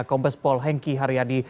kompas pol hengki haryadi